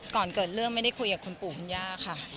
ก่อนเกิดเรื่องไม่ได้คุยกับคุณปู่คุณย่าค่ะ